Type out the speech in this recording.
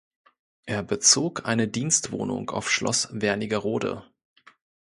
Er bezog eine Dienstwohnung auf Schloss Wernigerode.